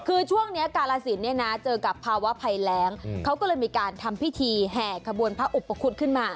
คือช่วงนี้กาลสินเนี่ยนะเจอกับภาวะภัยแรงเขาก็เลยมีการทำพิธีแห่ขบวนพระอุปคุฎขึ้นมา